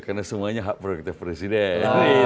karena semuanya hak produk dari presiden